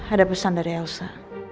ada pesan dari elsa